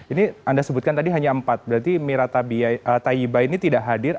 ini anda sebutkan tadi hanya empat berarti mira tayyiba ini tidak hadir